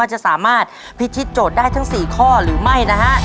ว่าจะสามารถพิทธิจดได้ทั้งสี่ข้อหรือไม่นะฮะ